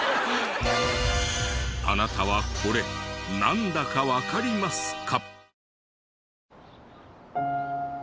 あなたはこれなんだかわかりますか？